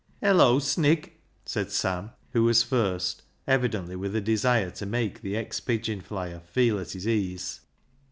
" Hello, Snig !" said Sam, who was first, evidently with a desire to make the ex pigeon flyer feel at his ease.